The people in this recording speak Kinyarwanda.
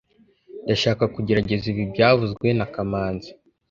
Ndashaka kugerageza ibi byavuzwe na kamanzi